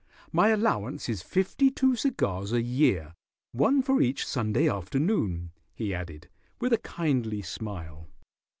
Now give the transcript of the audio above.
My allowance is fifty two cigars a year, one for each Sunday afternoon," he added, with a kindly smile.